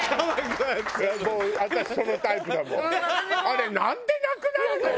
あれなんでなくなるの？